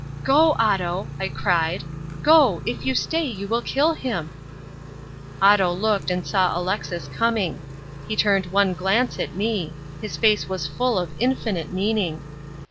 "Go, Otto," I cried, "go, if you stay you will kill him." Otto looked and saw Alexis coming. He turned one glance at me: his face was full of infinite meaning.